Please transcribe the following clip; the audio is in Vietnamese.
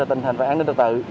tình hình về an ninh tự tự